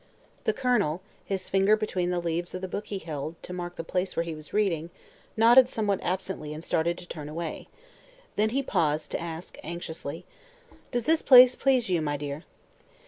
The Colonel, his finger between the leaves of the book he held, to mark the place where he was reading, nodded somewhat absently and started to turn away. Then he paused to ask anxiously: "Does this place please you, my dear?"